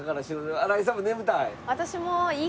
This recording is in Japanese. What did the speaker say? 新井さんも眠たい？